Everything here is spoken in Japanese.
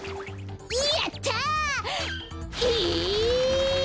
やった！え！